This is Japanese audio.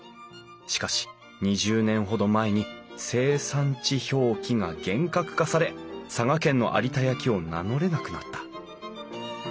しかし２０年ほど前に生産地表記が厳格化され佐賀県の有田焼を名乗れなくなった。